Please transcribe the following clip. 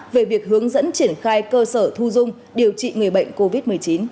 về việc hướng dẫn triển khai cơ sở thu dung điều trị người bệnh covid một mươi chín